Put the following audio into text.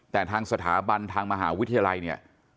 แต่ทางสถาบันทางมหาวิทยาลัยเนี่ย